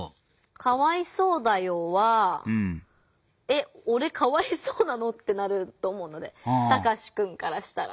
「かわいそうだよー」は「えっおれかわいそうなの？」ってなると思うのでタカシくんからしたら。